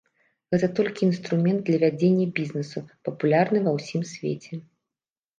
Гэта толькі інструмент для вядзення бізнесу, папулярны ва ўсім свеце.